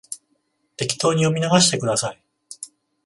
適当に読み流してください